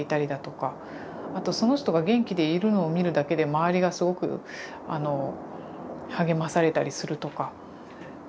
あとその人が元気でいるのを見るだけで周りがすごく励まされたりするとか。